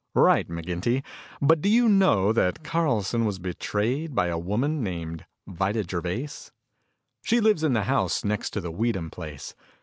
"Right, McGinty. But do you know that Carlson was betrayed by a woman named Vida Gervais? She lives in the house next to the Weedham place.